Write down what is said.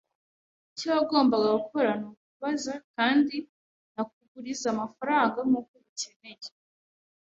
Icyo wagombaga gukora nukubaza kandi nakuguriza amafaranga nkuko ubikeneye.